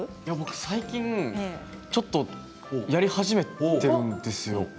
最近ちょっとやり始めているんですよ。